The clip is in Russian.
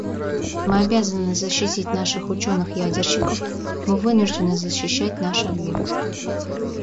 Мы обязаны защитить наших ученых-ядерщиков; мы вынуждены защищать наши объекты.